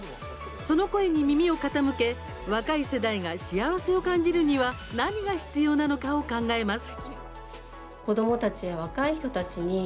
その声に耳を傾け若い世代が幸せを感じるには何が必要なのかを考えます。